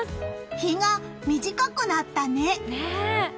日が短くなったね！